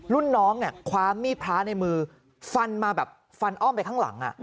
รุ่นน้องคว้ามีดพ้าในมือฟันอ้อมไปข้างหลัง